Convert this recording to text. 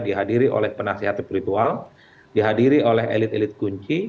dihadiri oleh penasihat spiritual dihadiri oleh elit elit kunci